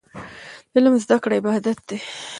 د علم زده کړه عبادت دی.